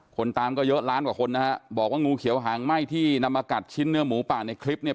คนตามก็เยอะล้านกว่าคนนะฮะบอกว่างูเขียวหางไหม้ที่นำมากัดชิ้นเนื้อหมูป่าในคลิปเนี่ย